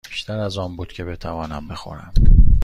بیشتر از آن بود که بتوانم بخورم.